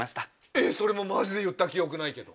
えっそれもマジで言った記憶ないけど。